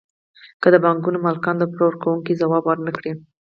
که د بانکونو مالکان د پور ورکوونکو ځواب ورنکړي